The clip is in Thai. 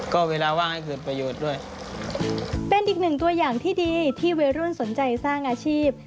ก็เวลาว่างให้เกิดประโยชน์ด้วยเป็นอีกหนึ่งตัวอย่างที่ดีที่วัยรุ่นสนใจสร้างอาชีพ